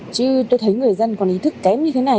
chứ tôi thấy người dân còn ý thức kém như thế này